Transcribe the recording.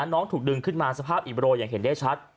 น้องถูกดึงขึ้นมาสภาพอิบโรยอย่างเห็นได้ชัด